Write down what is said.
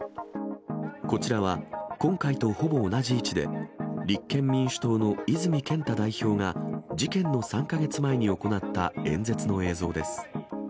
こちらは、今回とほぼ同じ位置で、立憲民主党の泉健太代表が、事件の３か月前に行った演説の映像です。